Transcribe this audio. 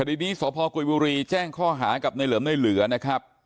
ดีนี้สพกุยบุรีแจ้งข้อหากับในเหลิมในเหลือนะครับ